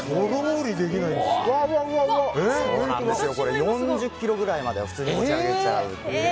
４０ｋｇぐらいまでは普通に持ち上げられちゃう。